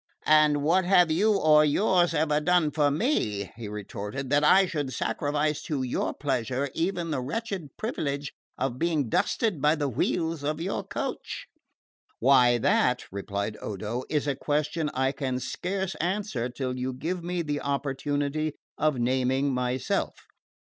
"And what have you or yours ever done for me," he retorted, "that I should sacrifice to your pleasure even the wretched privilege of being dusted by the wheels of your coach?" "Why, that," replied Odo, "is a question I can scarce answer till you give me the opportunity of naming myself.